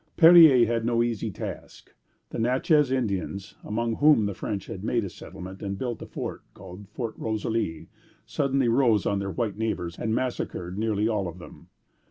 Perier had no easy task. The Natchez Indians, among whom the French had made a settlement and built a fort called Fort Rosalie, suddenly rose on their white neighbors and massacred nearly all of them.